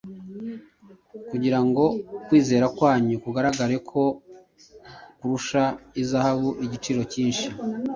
kugira ngo kwizera kwanyu kugaragare ko kurusha izahabu igiciro cyinshi